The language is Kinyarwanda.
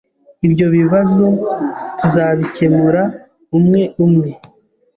Ibyo bibazo tuzabikemura umwe umwe.